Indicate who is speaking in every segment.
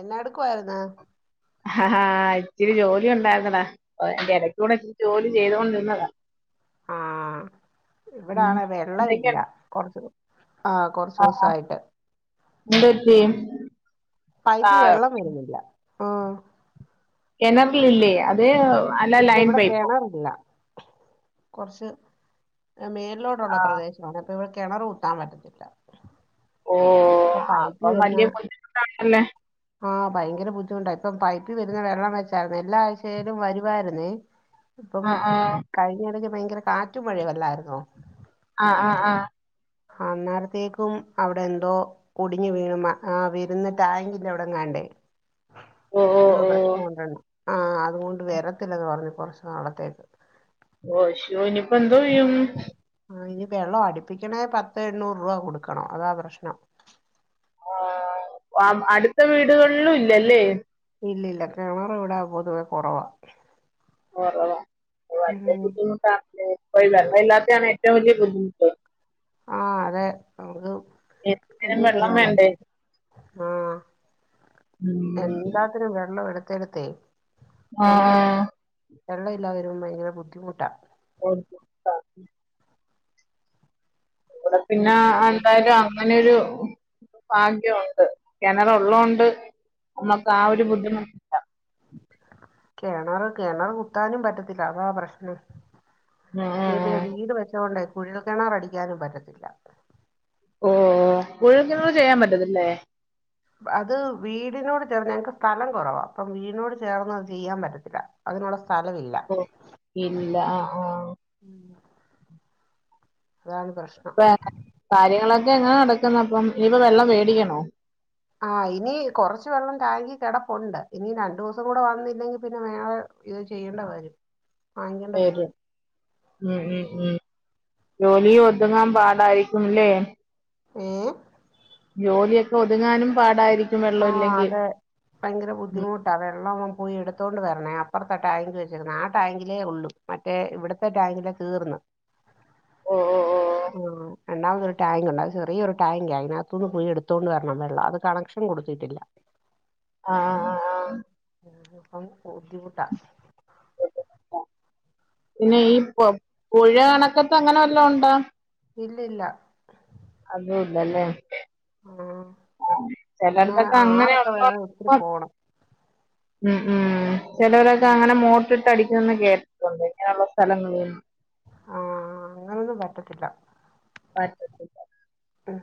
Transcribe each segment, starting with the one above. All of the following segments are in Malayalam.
Speaker 1: എന്നാ എടുക്കുവായിരുന്ന്
Speaker 2: ആഹാ ഹാ ഇത്തിരി ജോലി ഉണ്ടായിരുന്നടാ അപ്പൊ അയ്‌ന്റെ ഇടയ്ക്കൂടെ ഇച്ചിരി ജോലി ചെയ്തോണ്ടിരുന്നതാ
Speaker 1: ആഹ്
Speaker 2: ഉം.
Speaker 1: ഇവിടാണെ വെള്ള ഇല്ല കുറച്ച് ആഹ് കൊറച്ച്
Speaker 2: ആഹ്
Speaker 1: ദിവസായിട്ട്
Speaker 2: എന്ത്‌റ്റി
Speaker 1: പൈപ്പ് വെള്ളം വരുന്നില്ല ആഹ്
Speaker 2: കിണറിലില്ലേ അതെ
Speaker 1: ഇല്ല ഇവിടെ കെണറില്ല കുറച്ച് മേലോട്ടുള്ള
Speaker 2: ആ
Speaker 1: പ്രദേശം ഞങ്ങക്ക് ഇവിടെ കിണർ കൂത്താൻ പറ്റത്തില്ല
Speaker 2: ഓ
Speaker 1: അപ്പൊ പൈപ്പി
Speaker 2: അപ്പം
Speaker 1: വരുന്ന
Speaker 2: വലിയ ബുദ്ധിമുട്ടാണല്ലേ
Speaker 1: ആഹ് ഭയങ്കര ബുദ്ധിമുട്ടായി ഇപ്പം പൈപ്പിൽ വരുന്ന വെള്ളം വെച്ചായിരുന്നു എല്ലാ ആഴ്ചയിലും വരുവായിരുന്നേ ഇപ്പം
Speaker 2: ആ ആ
Speaker 1: കഴിഞ്ഞ ഇടയ്ക്ക് ഭയങ്കര കാറ്റും മഴിവല്ലായിരുന്നോ
Speaker 2: ആഹ് ആഹ് ആഹ്
Speaker 1: അന്നേരത്തേക്കും അവിടെ എന്തോ കുടിഞ്ഞ് വീണുമ്മ ആ വരുന്ന ടാങ്കിന്റെ അവിടങ്ങാണ്ടേ
Speaker 2: ഓ ഓ
Speaker 1: എന്തോ
Speaker 2: ഓ
Speaker 1: പ്രശ്നം കൊണ്ടണം ആ അതുകൊണ്ട് വരത്തില്ലെന്ന് പറഞ്ഞ് കുറച് നാളത്തേക്ക്
Speaker 2: ഓഷോനിപ്പോ എന്തോയും
Speaker 1: ആ ഇനി വെള്ളം അടിപ്പിക്കണ പത്ത് എണ്ണൂറ് രൂപ കൊടുക്കണോ അതാ പ്രശ്നം
Speaker 2: ആഹ് അടുത്ത വീടുകളിലും ഇല്ലല്ലേ
Speaker 1: ഇല്ല ഇല്ല കിണർ ഇവിടാ പൊതുവെ കുറവാ
Speaker 2: കൊറവാ വല്യ
Speaker 1: ഉം
Speaker 2: ബുദ്ധിമൂട്ടാണ് വെള്ളം ഇല്ലാത്തതാണ് ഏറ്റവും വലിയ ബുദ്ധിമുട്ട്.
Speaker 1: ആഹ് അതെ നമുക്ക്
Speaker 2: എന്തിനും
Speaker 1: ഒന്നും
Speaker 2: വെള്ളം
Speaker 1: ചെയ്യാൻ
Speaker 2: വേണ്ടേ
Speaker 1: പറ്റത്തില്ലാ ആഹ്
Speaker 2: ഉം.
Speaker 1: എന്താത്തിനും വെള്ളം എടുത്തെ എടുത്തേ
Speaker 2: ആഹ് ആഹ്
Speaker 1: വെള്ളം എല്ലാവരും ഭയങ്കര ബുദ്ധിമുട്ടാ
Speaker 2: ഓല്ക്കും ആഹ് ഇവിടെ പിന്നെ എന്തായ്ലും അങ്ങനെരു ഭാഗ്യമുണ്ട് കിണറുള്ളൊണ്ട്
Speaker 1: അങ്ങനെ കിണറ് കിണറ് കുത്താനും പറ്റത്തില്ല അതാ പ്രശ്നം
Speaker 2: ഉം ഉം
Speaker 1: ഇതീ പിന്നെ
Speaker 2: ഉം
Speaker 1: വീട് വെച്ചോണ്ട് കുഴൽക്കിണർ അടിക്കാനും പറ്റത്തില്ല
Speaker 2: ഓ കുഴൽക്കിണർ ചെയ്യാൻ പറ്റത്തില്ലേ
Speaker 1: അത് വീടിനോട് ചേർന്ന് ഞ്ഞങ്ങക്ക് സ്ഥലം കുറവാ അപ്പം വീടിനോട് ചേർന്ന് അത് ചെയ്യാൻ പറ്റത്തില്ല അതിനുള്ള സ്ഥലവില്ല
Speaker 2: ഓ ഇല്ല ആഹ് ആഹ്
Speaker 1: ഉം അതാണ് പ്രശ്നം
Speaker 2: ഇപ്പ കാര്യങ്ങളൊക്കെ എങ്ങനെ നടക്കുന്ന അപ്പം ഇനിയിപ്പ വെള്ളം മേടിക്കണോ
Speaker 1: ആഹ് ഇനി കുറച്ച് വെള്ളം ടാങ്കി കിടപ്പുണ്ട് ഇനി രണ്ടു ദിവസം കൂടെ വന്നില്ലെങ്കി പിന്നെ ഞങ്ങള് ഇത് ചെയ്യേണ്ട വരും
Speaker 2: വരും ഉം ഉം ഉം ജോലി ഒതുങ്ങാൻ പാടായിരിക്കുംല്ലേ
Speaker 1: ഏഹ്
Speaker 2: ജോലിയൊക്കെ ഒതുങ്ങാനും പാടായിരി
Speaker 1: ആഹ് അതെ ഭയങ്കര
Speaker 2: ഉം
Speaker 1: ബുദ്ധിമുട്ടാണ് വെള്ളം പോയി എടുത്തോണ്ട് വരണേ അപ്പുറത്തെ ടാങ്ക് വെച്ചിര്ന്നേ ആ ടാങ്കിലേ ഉള്ളു മറ്റേ ഇവിടത്തെ ടാങ്കിലെ തീർന്ന്
Speaker 2: ഓ ഓ ഓ
Speaker 1: ആഹ് രണ്ടാമത് ഒരു ടാങ്ക് ണ്ട് അത് ചെറിയ ഒരുരുടാങ്ക് ആ അതിനകത്തുനിന്ന് പോയി എടുത്തോണ്ട് വരണം വെള്ളം അത് കണക്ഷൻ കൊടുത്തിട്ടില്ല
Speaker 2: അഹ് ആഹ് ആഹ് ആഹ്
Speaker 1: അപ്പൊ ബുദ്ധിമുട്ടാ
Speaker 2: പിന്നെ ഈ പ്പൊ പുഴ കണക്കുബോ അങ്ങനെ വല്ലോണ്ടാ
Speaker 1: ഇല്ലില്ല
Speaker 2: അതും ഇല്ലാല്ലേ
Speaker 1: ഉം
Speaker 2: ആഹ്
Speaker 1: പിന്നെ
Speaker 2: ചെലടത്തൊക്കെ
Speaker 1: ആറൊക്കെ
Speaker 2: അങ്ങനെള്ള
Speaker 1: വേണം ഒത്തിരി
Speaker 2: ഇപ്പം
Speaker 1: പോണം
Speaker 2: ഉം ഉം ചെലോരൊക്കെ
Speaker 1: ഉം.
Speaker 2: അങ്ങനെ മോട്ടിട്ട് അടിക്കുംന്ന് കേട്ടി ഇങ്ങനെയുള്ള സ്ഥലങ്ങളും
Speaker 1: ആഹാ അങ്ങനൊന്നും പറ്റത്തില്ല
Speaker 2: [unintelligible]
Speaker 1: ഉം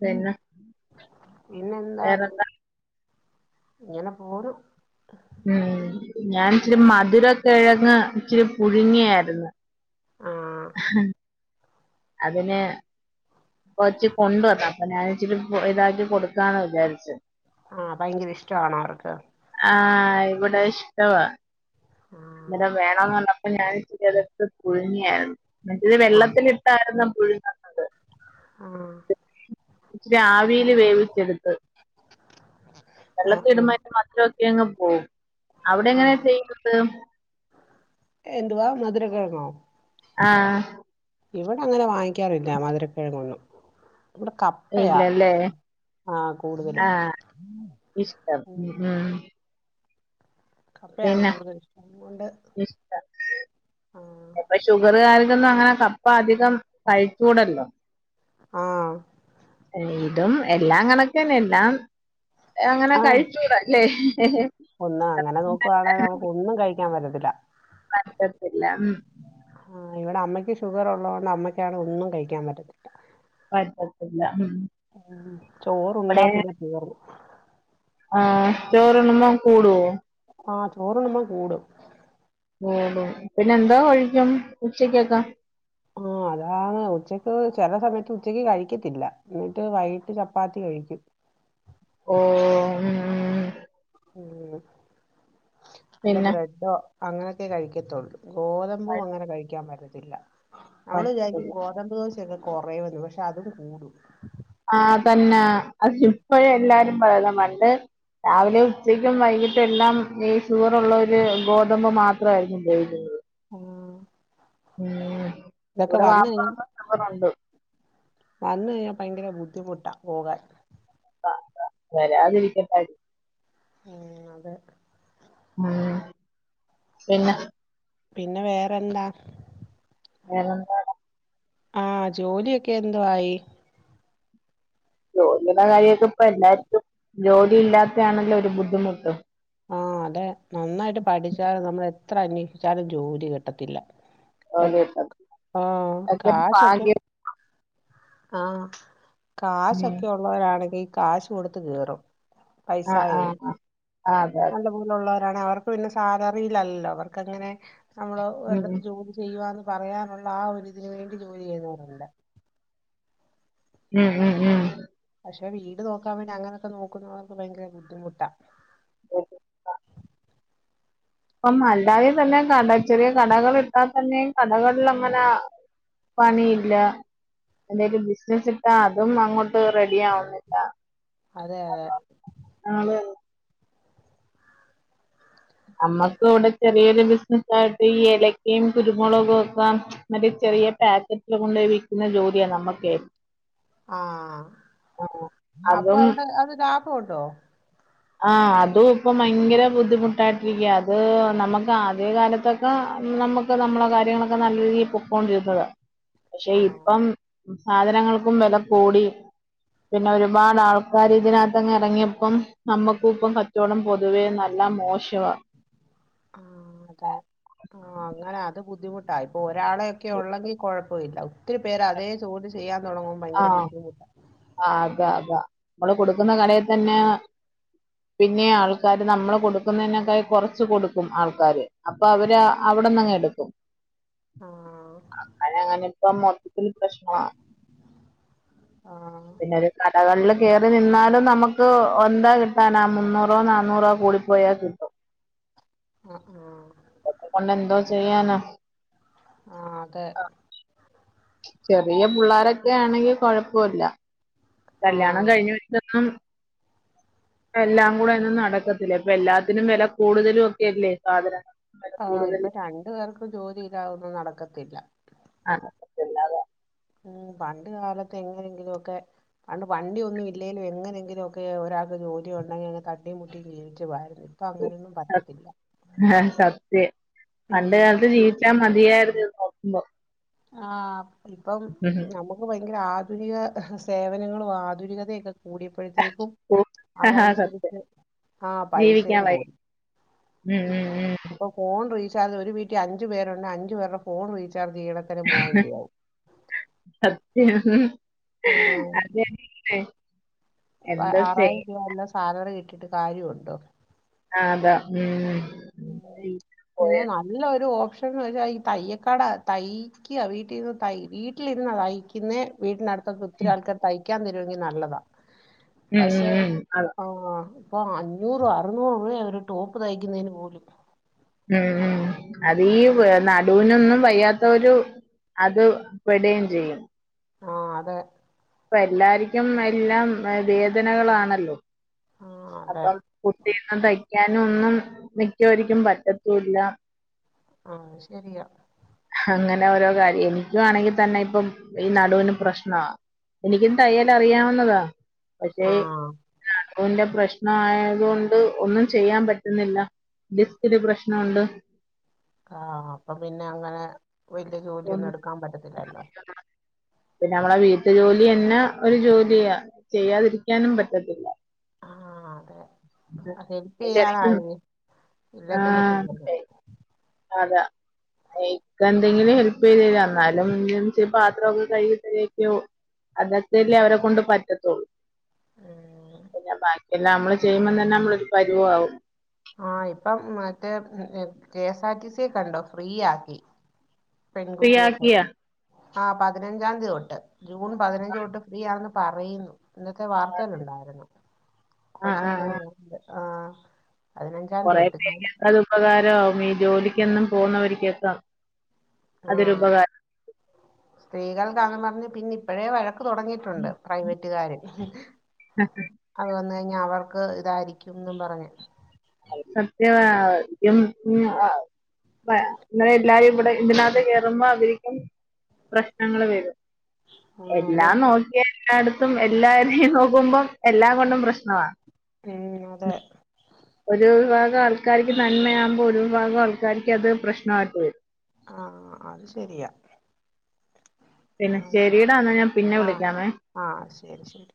Speaker 2: പിന്നെ
Speaker 1: പിന്നെന്താ
Speaker 2: വേറെന്താ
Speaker 1: ഇങ്ങനെ പോണ്
Speaker 2: ഉം ഞാൻ ഇച്ചിരി മധുരകിഴങ്ങ് ഇച്ചിരി പുഴുങ്ങിയാരുന്ന്
Speaker 1: ആ
Speaker 2: അതിന് കൊച്ച് കൊണ്ടുവന്ന അപ്പൊ ഞാൻ ഇച്ചിരി ഇതാക്കി കൊടുക്കാന്ന് വിചാരിച്ച്
Speaker 1: ആഹ് ഭയങ്കര ഇഷ്ടം ആണോ ആവർക്ക്
Speaker 2: ആഹ് ഇവിടെ ഇഷ്ടവാ
Speaker 1: ആ
Speaker 2: അന്നരം വേണന്ന് അപ്പൊ ഞാൻ ചതത്ത് പുഴുങ്ങിയായിരുന്നു എന്നച്ചത്
Speaker 1: ആ
Speaker 2: വെള്ളത്തിലിട്ടായിരുന്ന പുഴുങ്ങി
Speaker 1: ആഹ്
Speaker 2: ഇച്ചരി ആവീൽ വേവിച്ചെടുത്ത്
Speaker 1: ഉ [unintelligible]
Speaker 2: വെള്ളത്തി ഇടുമ്പോ അതിൻ്റെ മധുരൊക്കെ അങ്ങ് പോകും അവിടെ
Speaker 1: ആ ആ
Speaker 2: എങ്ങനെയാ ചെയ്യുന്നത്
Speaker 1: എന്തുവാ മധുര കിഴങ്ങോ
Speaker 2: ആഹ്
Speaker 1: ഇവിടെ അങ്ങനെ വാങ്ങിക്കാറില്ല മധുരകിഴങ്ങൊന്നും ഇവിടെ കപ് പ്പയാ
Speaker 2: ഇല്ലല്ലേ
Speaker 1: ആഹ് കൂടുതലും
Speaker 2: ആ ഇഷ്ടം ഉം, ഉം.
Speaker 1: കപ്പയാണ്
Speaker 2: പിന്നെ
Speaker 1: കൂടുതൽ ഇഷ്ടം അത് കൊണ്ട്
Speaker 2: ഇഷ്ടം ഇപ്പൊ ഷുഗറുകാരെ ക്കൊന്നും അങ്ങനെ കപ്പ അധികം കഴിച്ചൂടല്ലോ
Speaker 1: ആഹ്
Speaker 2: ഇതും എല്ലാം കണക്കന്നെ എല്ലാം അങ്ങനെ കഴിച്ചൂടല്ലേ
Speaker 1: എന്നാ അങ്ങനെ നോക്കുവാണെങ്കിൽ നമുക്ക് ഒന്നും കഴിക്കാൻ പറ്റത്തില്ല
Speaker 2: പറ്റത്തില്ല
Speaker 1: ആഹാ ഇവിടെ അമ്മയയെക്ക് ഷുഗർ ഒള്ളത് കൊണ്ട് അമ്മയ്ക്കാണ് ഒന്നും കഴിക്കാൻ പറ്റത്തി
Speaker 2: പറ്റത്തില്ല ഉം
Speaker 1: ചോറുണ്ടാ പ്പിന്നെ തീർ
Speaker 2: ആഹാ ചോർ ഉണ്ണുമ്പൊ കൂടോ
Speaker 1: ആഹാ ചോറുണ്ണുമ്പോ കൂടും
Speaker 2: കൂടും പിന്നെ എന്താ കഴിക്കും ഉച്ചക്കൊക്കെ
Speaker 1: ആഹ് അതാണ് ഉച്ചക്ക് ചെല സമയത്ത് ഉച്ചക്ക് കഴിക്കത്തില്ല എന്നിട്ട് വൈകിട്ട് ചപ്പാത്തി കഴിക്കും
Speaker 2: ഓഹ്
Speaker 1: ഉം വല്ല
Speaker 2: പിന്നെ
Speaker 1: ബ്രെഡോ അങ്ങനെയൊക്കെ കഴിക്കത്തുള്ളൂ ഗോതമ്പും അങ്ങനെ കഴിക്കാൻ പറ്റത്തില്ല നമ്മള് വിചാരിക്കും
Speaker 2: പറ്റത്തില്ല.
Speaker 1: ഗോത തമ്പ് ദോശയൊക്കെ കൊറെയുവെന്ന് പക്ഷെ അത് കൂടും
Speaker 2: ആഹ് തന്നാ അത് ഇപ്പഴെ എല്ലാരും പറയുന്നെ പണ്ട് രാവിലേം ഉച്ചക്കും വൈകി എല്ലാം ഈ ഷുഗറുള്ളോര് ഗോതമ്പ് മാത്രായിരിക്കും ഉപയോഗിക്കുന്നത്
Speaker 1: ആഹ്
Speaker 2: ഉം
Speaker 1: ഇതൊക്കെ
Speaker 2: ഇവിടെ
Speaker 1: വന്ന് കൈഞ്ഞാ
Speaker 2: വാപ്പാക്ക് ഷുഗറുണ്ട്
Speaker 1: വന്നൈഞ്ഞാ ഭയങ്കര ബുദ്ധിമുട്ടാ പോകാൻ
Speaker 2: ആഹ് വരാതിരിക്കട്ടെ ആര്ക്കും
Speaker 1: ഉം അതെ
Speaker 2: ഉം പിന്നെ
Speaker 1: പിന്നെ വേറെന്താ
Speaker 2: വേറെന്താ
Speaker 1: ആഹ് ജോലിയൊക്കെ എന്തുവായി
Speaker 2: ജോലിയുടെ കാര്യൊക്കെപ്പൊ എല്ലാര്ക്കും ജോലി ഇല്ലാത്തെയാണല്ലോ ഒരു ബുദ്ധിമുട്ട്
Speaker 1: ആഹ് അതെ നന്നായിട്ട് പഠിച്ചാലും നമ്മളെത്ര അന്വേഷിച്ചാലും ജോലി കിട്ടത്തില്ല പ
Speaker 2: ജോലി കിട്ടാ
Speaker 1: ആഹ്
Speaker 2: അതൊക്കെ ഒരു
Speaker 1: കാശൊക്കെ
Speaker 2: ഭാഗ്യം
Speaker 1: ആഹ്
Speaker 2: ഉം
Speaker 1: കാശൊക്കെള്ളോരാണെങ്കി കാശ് കൊടുത്ത് കേറും
Speaker 2: ആഹ്
Speaker 1: പൈസായേ
Speaker 2: ആഹ് ആഹ് ആഹ് അതെ അതെ
Speaker 1: നല്ലപോ ലൊള്ളോരാണെ അവർക്ക് പിന്നെ സാലറിയിലല്ലോ അവർക്കങ്ങനെ
Speaker 2: ഉം
Speaker 1: നമ്മളൊരിടത്ത് ജോ ചെയ്യുവാന്ന് പറയാനുള്ള ആ ഒരു ഇതിന് വേണ്ടി ജോലി ചെയ്യുന്നോര്ണ്ട്
Speaker 2: ഉം ഉം ഉം
Speaker 1: പശെ വീട് നോക്കാൻ വേണ്ടി അങ്ങനൊക്കെ നോക്കുന്നവർക്ക് ഭയങ്കര ബുദ്ധിമുട്ടാ
Speaker 2: [inaudible] അപ്പം അല്ലാതേം തന്നെ കട ചെറിയ കടകള് ഇട്ടാ തന്നേം കടകളിലങ്ങനെ പണിയില്ലാ എന്തേലും ബിസ്നസിട്ടാ അതും അങ്ങോട്ട് റെഡിയാവുന്നില്ലാ
Speaker 1: അതെ അതെ
Speaker 2: ആഹ് അതെ അതെ അമ്മക്ക് ഇവിടെ ചെറിയൊരു ബിസ്നസ്സായിട്ട് ഈ ഏലക്കയും കുരുമൊളകൊക്കെ മറ്റേ ചെറിയ പാക്കറ്റ്ല് കൊണ്ടോയി വിക്കുന്ന ജോലിയാ നമ്മക്കേ
Speaker 1: ആഹ്
Speaker 2: ആഹ്
Speaker 1: അപ്പൊ
Speaker 2: അതും
Speaker 1: അവിടെ അത് ലാഭോണ്ടോ
Speaker 2: ആഹ് അതും ഇപ്പം ഭയങ്കര ബുദ്ധിമുട്ടായിട്ടിരിക്ക്യ അത് നമക്ക് ആദ്യ കാലത്തൊക്കെ ആഹ് നമ്മക്ക് നമ്മളെ കാര്യങ്ങളൊക്കെ നല്ല രീതിയില് പൊക്കോണ്ടിരുന്നതാ പക്ഷെ
Speaker 1: ആഹ്
Speaker 2: ഇപ്പം സാധനങ്ങൾക്കും വെല കൂടി പിന്നെ ഒരുപാട് ആൾക്കാര് ഇതിനാത്തങ്ങ് എറങ്ങിയപ്പം നമ്മക്കും ഇപ്പൊ കച്ചോടം പൊതുവേ നല്ല മോശവാ
Speaker 1: ആഹ് അതെ ആഹ് അങ്ങനെ അത് ബുദ്ധിമുട്ടാ ഇപ്പൊ ഒരാളെയൊക്കെ ഒള്ളെങ്കി കൊഴപ്പവില്ല ഒത്തിരി പേര് അതേ ജോലി ചെയ്യാൻ തൊടങ്ങു ഭയങ്കര
Speaker 2: ആഹ്
Speaker 1: ബുദ്ധിമുട്ടാ
Speaker 2: ആഹ് അതാ അതാ നമ്മള് കൊടുക്കുന്ന കടയിതന്നെ പിന്നേം ആൾക്കാര് നമ്മള് കൊടുക്കുന്നേനക്കായി കൊറച്ച് കൊടുക്കും ആൾക്കാര് അപ്പൊ അവര് അവിടന്നങ്ങ് എടുക്കും
Speaker 1: ആഹ്
Speaker 2: ക്കും അങ്ങനെ അങ്ങനെ ഇപ്പൊ മൊത്തത്തില് പ്രശ്നവാ
Speaker 1: ആഹ്
Speaker 2: പിന്നെ ഒരു കടകളില് കേറി നിന്നാലും നമുക്ക് എന്താ കിട്ടാനാ മുന്നൂറോ നാന്നൂറോ കൂടി പോ പോയാകിട്ടും
Speaker 1: ആഹ് ആഹ്
Speaker 2: ഇത് കൊണ്ട് എന്തോ ചെയ്യാനാ
Speaker 1: ആഹ് അതെ
Speaker 2: ചെറിയ പുള്ളാരൊക്കെ ആണെങ്കി കൊഴപ്പല്ല കല്ല്യാണം
Speaker 1: ആഹ്
Speaker 2: കഴിഞ്ഞ് വെച്ചൊന്നും എല്ലാം കൂടെ ഇന്ന് നടക്കത്തില്ല ഇപ്പൊ എല്ലാത്തിനും വില കൂടുതലു ഒക്കെല്ലേ സാധന
Speaker 1: ആഹ് ഇപ്പൊ രണ്ടു പേർക്കും ജോലില്ലാതൊന്നും നടക്കത്തില്ല
Speaker 2: അതെ
Speaker 1: ഉം പണ്ട് കാലത്ത് എങ്ങനെങ്കിലുമൊക്കെ പണ്ട് വണ്ടിയൊന്നും ഇല്ലേലും എങ്ങനെങ്കിലും ഒക്കെ ഒരാക്ക് ജോലിയൊണ്ടെങ്കിൽ അങ്ങ് തട്ടിയും മുട്ടിയ ജീവുച്ചു പോവായിര്ന്ന്
Speaker 2: സ ഹ സത്യം
Speaker 1: ഉം
Speaker 2: പണ്ട്
Speaker 1: ഇപ്പം
Speaker 2: കാൽത്ത് ജീവി ച്ചാ മതിയായിരുന്ന് നോക്കുമ്പോ
Speaker 1: ആഹ് ഇപ്പം നമുക്ക് ഭയങ്കര ആധുനിക സേവനങ്ങളും ആധുനികതയൊക്കെ കൂടിയപ്പോഴത്തേക്കും
Speaker 2: സത്യം
Speaker 1: അതനുസരിച്ച് ആഹ്
Speaker 2: ജീവിക്കാൻ
Speaker 1: പൈസയും
Speaker 2: വയ്യ
Speaker 1: കൂടി
Speaker 2: ഉം ഉം ഉം
Speaker 1: ഇപ്പ ഫോൺ റീചാർജ് ഒരു വീട്ടി അഞ്ചു പേരുണ്ടെ അഞ്ചു പേരുടെ ഫോൺ റീചാർജ് ചെയ്യണെ തന്നെ മുവായിരം രൂപയാവും
Speaker 2: സത്യം ഹ് ഹ്
Speaker 1: ഉം.
Speaker 2: അത് ന്നെ
Speaker 1: അപ്പൊ ആറായിരം രൂപ എല്ലാം സാലറി കിട്ടിട്ട് കാര്യവുണ്ടോ
Speaker 2: ആഹ് അതാ ഉം
Speaker 1: ഉം.
Speaker 2: പോയ
Speaker 1: പിന്നെ നല്ലൊരു ഓപ്ഷൻ എന്ന് വെച്ചാ ഈ തയ്യക്കട തയ്ക്ക വീട്ടിൽന്ന് തയ്യീ വീട്ടിര്ന്നാ തൈയിക്കുന്നേ വീട്ടിനടു ഒത്തിരി ആൾക്കാർ തയ്ക്കാൻ തരുവെങ്കിൽ നല്ലതാ
Speaker 2: ഉം ഉം
Speaker 1: പക്ഷെ
Speaker 2: ഉം അതാ
Speaker 1: ആഹ് ഇപ്പൊ അഞ്ഞൂറ് അറുന്നൂറ് രൂപയ ഒരു ടോപ്പ് തയ്ക്കുന്നതിന് പോലും
Speaker 2: ഉം ഉം അതീ വ് നടൂനൊന്നും വയ്യാത്തൊരു അത് പെടൊം ചെയ്യും
Speaker 1: ആഹ് അതെ
Speaker 2: ഇപ്പ എല്ലാർക്കും എല്ലാം വേദനകളാണല്ലോ
Speaker 1: ആ അതെ
Speaker 2: അപ്പം കുട്ടീന്ന് തയ്ക്കാനൊന്നും മിക്കവരിക്കും പറ്റത്തൂല്ല
Speaker 1: ആഹ് ശരിയാ
Speaker 2: അങ്ങനെ ഓരോ കാര്യം എനിക്കുവാണെങ്കിൽ തന്നെ ഇപ്പം ഈ നടുവിന് പ്രശ്നാ എനിക്കും തയ്യല്ലറിയാവുന്നതാ പക്ഷേ
Speaker 1: ആ
Speaker 2: [unintelligible] പ്രശ്ന ആയത് കൊണ്ട് ഒന്നും ചെയ്യാൻ പറ്റുന്നില്ല ഡിസ്കിൻ പ്രശ്നണ്ട്
Speaker 1: ആഹ് അപ്പം പിന്നെ അങ്ങനെ വലിയ
Speaker 2: ഒന്ന്
Speaker 1: ജോലിയൊന്നും എടുക്കാൻ പറ്റത്തില്ലല്ലോ
Speaker 2: പിന്നെ നമ്മളെ വീട്ടു ജോലി എന്നെ ഒരു ജോലിയ ചെയ്യാതിരിക്കാനും പറ്റത്തില്ല
Speaker 1: ആഹ് അതെ ഹെല്പ് ചെയ്യാനായി ഇല്ലേ
Speaker 2: ആ
Speaker 1: പിന്നെ പിന്നെ തിന്നൽ
Speaker 2: അതാ എയ്ക്ക ന്തെങ്കിലും ഹെൽപ് ചെയ്തരും അന്നാലും പാത്രം ഒക്കെ കഴുകി തരുവേയ്ക്കും അതൊക്കെല്ലേ അവരെ കൊണ്ട് പറ്റത്തുള്ളൂ
Speaker 1: ഉം
Speaker 2: പിന്നെ ബാക്കിയെല്ലാം മ്മള് ചെയ്യുമ്പ തന്നെ നമ്മളൊരു പരുവ ആവും
Speaker 1: ആഹ ഇപ്പം മറ്റേ കെഎസ് ആർ ടി സി യെ ക്കണ്ടോ ഫ്രീ ആക്കി പെൺകുട്ടികേക്ക്
Speaker 2: ഫ്രീയാക്കിയാ
Speaker 1: ആ പതിനഞ്ചാം തീയതി തൊട്ട് ജൂൺ പതിനഞ്ച് തൊട്ട് ഫ്രീ ആണെന്ന് പറയുന്നു ഇന്നത്തെ വാർത്തേൽണ്ടായിരുന്നു
Speaker 2: ആഹ്
Speaker 1: കൊറച്ച്
Speaker 2: ആഹ് ആഹ്
Speaker 1: മുമ്പ് ആഹ് അതിനഞ്ചാം തിയതി തൊട്ട്
Speaker 2: ഉപകാരാവും ഈ ജോലിക്കെന്നും പോകുന്നവർക്കെക്കെ
Speaker 1: ആഹ് സ്ത്രീകൾക്കാന്നും പർഞ്ഞ് പിന്നിം ഇപ്പഴേ വഴക്ക് തുടങ്ങിയിട്ടുണ്ട് പ്രൈവറ്റുകാര്
Speaker 2: [unintelligible]
Speaker 1: അത് വന്ന് കഴിഞ്ഞ അവർക്ക് ഇതായിരിക്കുംന്ന് പറഞ്ഞ്
Speaker 2: അത് സത്യവാ അത്യം പിന്നെ ആ പ ഇങ്ങനെ എല്ലാരും ഇവിടെ ഇതിനകത്ത് കേറുമ്പോ അവരിക്കും പ്രശ്നങ്ങൾ വരും
Speaker 1: ആഹ് അതെ
Speaker 2: എല്ലാം നോക്കിയ എല്ലായിടത്തും എല്ലാവരെയും നോക്കുമ്പം എല്ലാം കൊണ്ടും പ്രശ്നവ
Speaker 1: ഉം അതെ
Speaker 2: ഒരു വിഭാഗം ആൾക്കാര്ക്ക് നന്മയാമ്പം ഒരു വിഭാഗം ആൾക്കാര്ക്ക് അത് പ്രശ്നയിട്ട് വരും
Speaker 1: ആഹ് അത് ശെരിയാ
Speaker 2: പിന്നെ ശെരിടാന്നാ ഞാൻ പിന്നെ
Speaker 1: ആഹ്
Speaker 2: വിളിക്കാമേ
Speaker 1: ആഹ് ശരി ശരി.